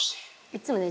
「いつもね